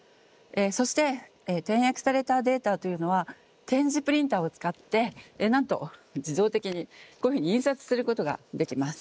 そして点訳されたデータというのは点字プリンターを使ってなんと自動的にこういうふうに印刷することができます。